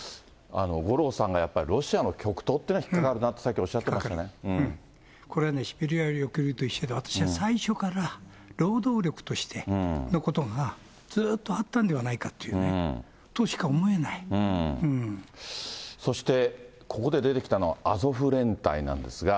五郎さんがやっぱりロシアの極東っていうのは引っ掛かるなって、これ、シベリア抑留と一緒で私は最初から労働力としてのことが、ずっとあったんではないかというね、そして、ここで出てきたのはアゾフ連隊なんですが。